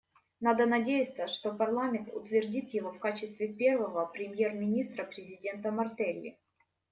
Надо надеяться, что парламент утвердит его в качестве первого премьер-министра президента Мартелли.